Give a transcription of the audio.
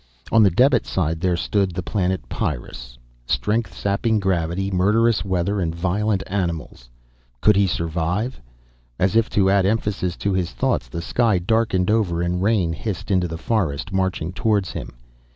On the debit side there stood the planet Pyrrus. Strength sapping gravity, murderous weather, and violent animals. Could he survive? As if to add emphasis to his thoughts, the sky darkened over and rain hissed into the forest, marching towards him.